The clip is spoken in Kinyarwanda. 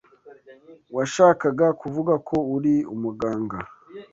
Washakaga kuvuga ko uri umuganga.